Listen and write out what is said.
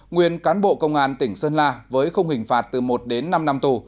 nguyên cán bộ công an tỉnh sơn la với không hình phạt từ một đến năm năm tù